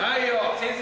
先生？